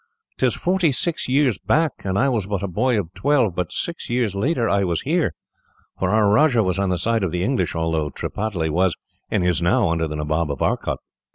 "'Tis forty six years back, and I was but a boy of twelve; but six years later I was here, for our rajah was on the side of the English, although Tripataly was, and is now, under the Nabob of Arcot.